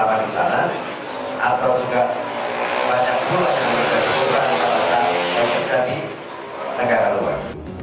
atau juga banyak juga yang berhasil berubah untuk menjadi negara luar